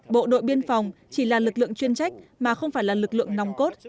bộ đội biên phòng chỉ là lực lượng chuyên trách mà không phải là lực lượng nòng cốt